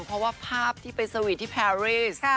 เพราะว่าภาพที่ไปสวีทที่แพรรีส